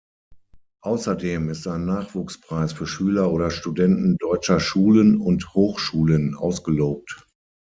Außerdem ist ein Nachwuchspreis für Schüler oder Studenten deutscher Schulen und Hochschulen ausgelobt.